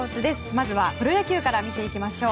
まずはプロ野球から見ていきましょう。